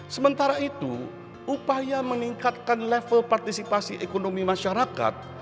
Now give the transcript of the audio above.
sementara itu upaya meningkatkan level partisipasi ekonomi masyarakat